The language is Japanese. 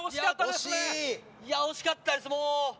惜しかったです、もう。